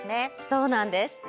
そうなんです。